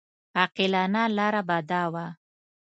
عاقلانه لاره به دا وه.